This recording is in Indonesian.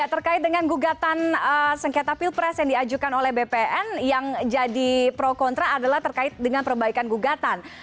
terkait dengan gugatan sengketa pilpres yang diajukan oleh bpn yang jadi pro kontra adalah terkait dengan perbaikan gugatan